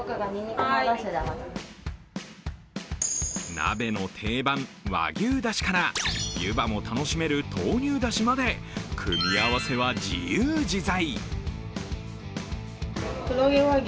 鍋の定番、和牛だしから湯葉も楽しめる豆乳だしまで組み合わせは自由自在。